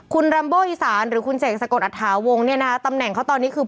คุณรัมโบอีสานหรือคุณเสกสะกดอัฐาวงเนี่ยนะตำแหน่งเขาตอนนี้คือ